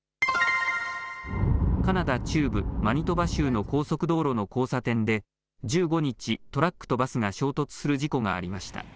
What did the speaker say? カナダ中部マニトバ州の高速道路の交差点で１５日、トラックとバスが衝突する事故がありました。